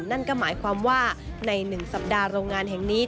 นั่นก็หมายความว่าใน๑สัปดาห์โรงงานแห่งนี้